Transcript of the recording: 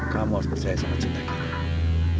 kamu harus percaya sama cinta kamu